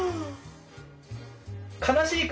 悲しい顔。